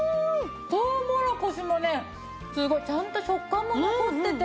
とうもろこしもねすごいちゃんと食感も残ってて。